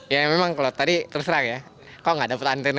ya memang kalau tadi terserah ya kok nggak dapet antenanya sekali ya